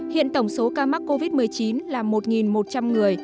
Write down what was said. hiện tổng số ca mắc covid một mươi chín là một một trăm linh người